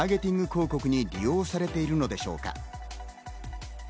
広告に利用されているのでしょうか？